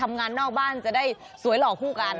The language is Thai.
ทำงานนอกบ้านจะได้สวยหล่อคู่กัน